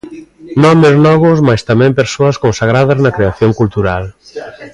Nomes novos mais tamén persoas consagradas na creación cultural.